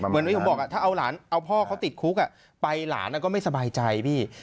เหมือนผมบอกถ้าเอาพ่อเขาติดคุกไปหลานก็ไม่สบายใจ